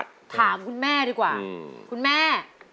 อเรนนี่ส์ถามคุณแม่ดีกว่าคุณแม่